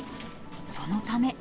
そのため。